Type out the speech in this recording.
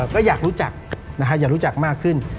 ก็อยากรู้จักอยากรู้จักมากขึ้น